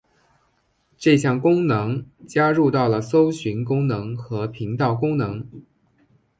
这项功能加入到了搜寻功能和频道功能。